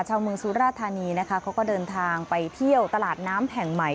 ชาวเมืองสุราธานีนะคะเขาก็เดินทางไปเที่ยวตลาดน้ำแห่งใหม่